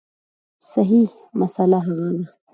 صحیح مسأله هغه ده